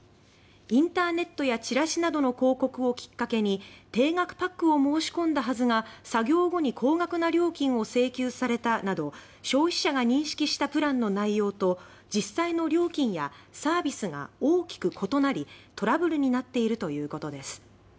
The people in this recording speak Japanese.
インターネットやチラシなどの広告をきっかけに「定額パックを申し込んだはずが作業後に高額な料金を請求された」など消費者が認識したプランの内容と実際の料金やサービスが大きく異なりトラブルになっているということです。